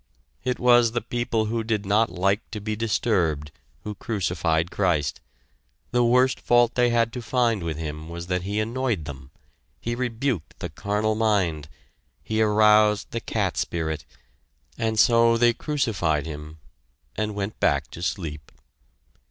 It was the people who did not like to be disturbed who crucified Christ the worst fault they had to find with Him was that He annoyed them He rebuked the carnal mind He aroused the cat spirit, and so they crucified Him and went back to sleep.